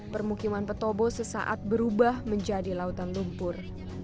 permukiman petobo sesaat berubah menjadi lautan lumpur